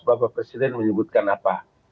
bapak presiden menyebutkan apa